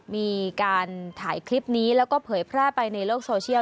มีการถ่ายคลิปนี้แล้วก็เผยแพร่ไปในโลกโซเชียล